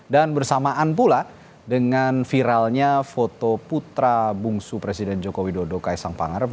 dan bersamaan pula dengan viralnya foto putra bungsu presiden jokowi dodo kaisang pangarep